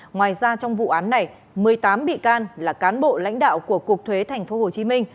ngoài ra trong vụ án này một mươi tám bị can là cán bộ lãnh đạo của cục thuế tp hcm